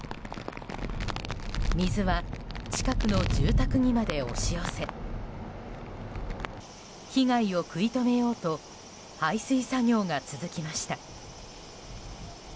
水は近くの住宅にまで押し寄せ被害を食い止めようと排水作業が続きました。